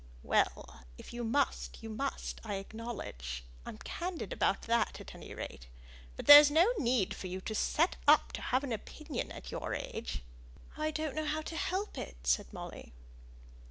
"Well! if you must, you must, I acknowledge. I'm candid about that at any rate. But there's no need for you to set up to have an opinion at your age." "I don't know how to help it," said Molly.